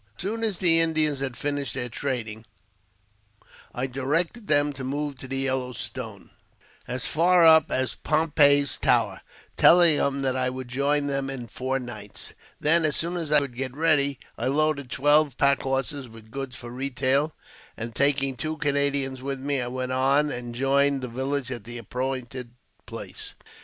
j As soon as the Indians had finished their trading, I directed I them to move to the Yellow Stone, as far up as " Pompey's Tower," telling them that I would join them in four nights. Then, as soon as I could get ready, I loaded twelve pack : horses with goods for retail, and, taking two Canadians with i me, I went on and joined the village at the appointed place.